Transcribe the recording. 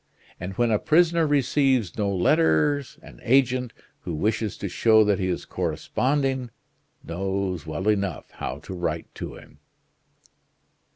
And when a prisoner receives no letters, an agent, who wishes to show that he is corresponding knows well enough how to write to him."